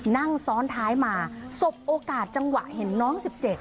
นั่งซ้อนท้ายมาสบโอกาสจังหวะเห็นน้อง๑๗